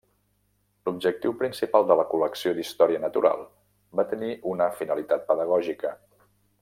L'objectiu principal de la col·lecció d'història natural va tenir una finalitat pedagògica.